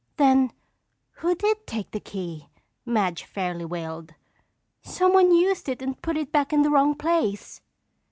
"Then who did take the key?" Madge fairly wailed. "Someone used it and put it back in the wrong place."